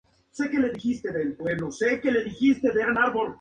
Le acompañaron en el podio Alberto Contador y Cadel Evans, respectivamente.